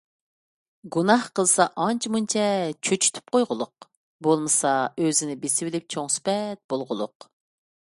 گۇناھ قىلسا ئانچە-مۇنچە چۆچۈتۈپ قويغۇلۇق، بولمىسا ئۆزىنى بېسىۋېلىپ چوڭ سۈپەت بولغۇلۇق!